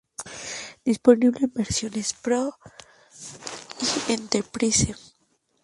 Disponible en versiones Pro y Enterprise.